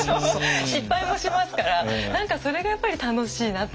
失敗もしますから何かそれがやっぱり楽しいなって思いますね。